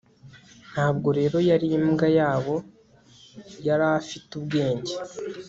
ntabwo rero yari imbwa yabo yari ifite ubwenge